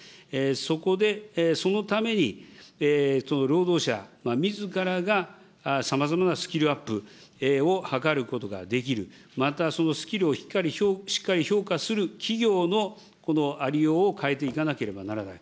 そこでそのために、労働者みずからがさまざまなスキルアップを図ることができる、またそのスキルをしっかり評価する企業のありようを変えていかなければならない。